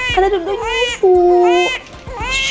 kan ada duduk musuh